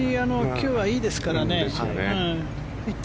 今日はいいですからね。